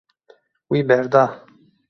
Wî berda.